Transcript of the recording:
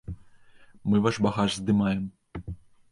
Мы ваш багаж здымаем.